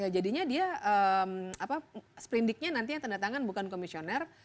jadinya dia sepindiknya nantinya tanda tangan bukan komisioner